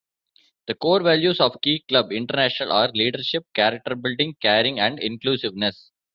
The core values of Key Club International are leadership, character building, caring and inclusiveness.